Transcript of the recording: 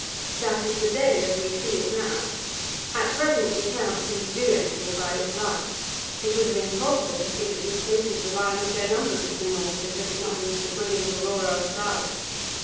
That is the day as we see it now. At present we cannot see to do anything by its light. It would have been impossible to see that these cases were lying with their numbers to the north if it had not been for the brilliant aurora australis.